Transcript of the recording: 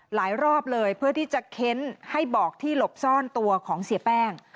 รอบเลยเพื่อที่จะเค้นให้บอกที่หลบซ่อนตัวของเสียแป้ง